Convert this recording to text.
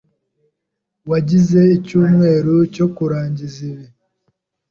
Wagize icyumweru cyo kurangiza ibi.